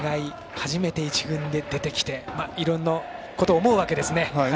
初めて１軍で出てきていろんなことを思うわけですねやはり。